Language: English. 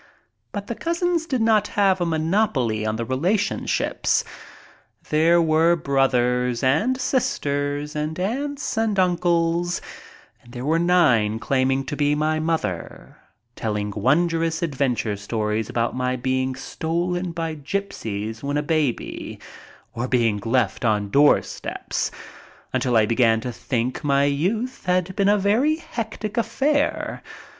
But the cousins did not have a monopoly on the relation ships. There were brothers and sisters and aunts and uncles and there were nine claiming to be my mother, telling won drous adventure stories about my being stolen by gypsies when a baby or being left on doorsteps, until I began to think my youth had been a very hectic affair.